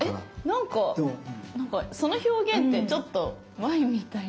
なんかその表現ってちょっとワインみたいな。